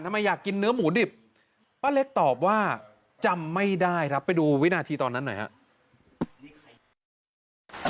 อยากกินเนื้อหมูดิบป้าเล็กตอบว่าจำไม่ได้ครับไปดูวินาทีตอนนั้นหน่อยครับ